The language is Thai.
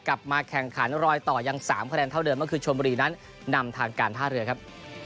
กลับมาแข่งขันรอยต่อยัง๓คะแนนเท่าเดิมก็คือชนบุรีนั้นนำทางการท่าเรือครับ